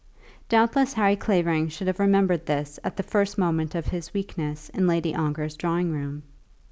Doubtless Harry Clavering should have remembered this at the first moment of his weakness in Lady Ongar's drawing room.